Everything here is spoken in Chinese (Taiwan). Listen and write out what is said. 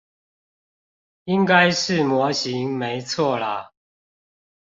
應該是模型沒錯啦